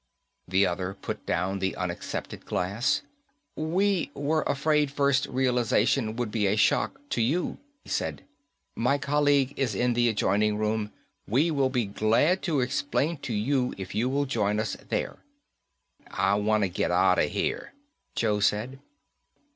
The other put down the unaccepted glass. "We were afraid first realization would be a shock to you," he said. "My colleague is in the adjoining room. We will be glad to explain to you if you will join us there." "I wanta get out of here," Joe said.